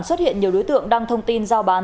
xuất hiện nhiều đối tượng đăng thông tin giao bán